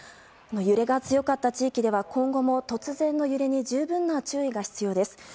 揺れが強かった地域では今後も突然の揺れに十分な注意が必要です。